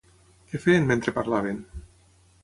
Què feien mentre parlaven?